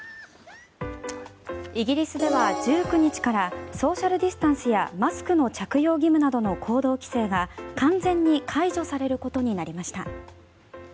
イギリスでは１９日からソーシャル・ディスタンスやマスクの着用義務などの行動規制が完全に解除されることになりました。